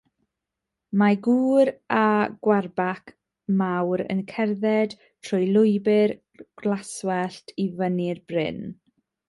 Mae gŵr â gwarbac mawr yn cerdded trwy lwybr glaswellt i fyny bryn.